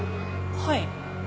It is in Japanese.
はい。